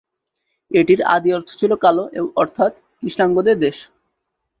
এটির আদি অর্থ ছিল "কালো", অর্থাৎ "কৃষ্ণাঙ্গদের দেশ"।